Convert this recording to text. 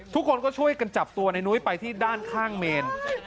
ทุกคนก็ช่วยกันจับตัวในนุ้ยไปที่ด้านข้างเมน